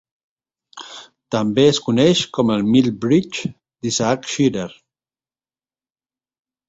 També es coneix com el Mill Bridge d'Isaac Shearer.